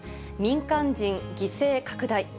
民間人犠牲拡大。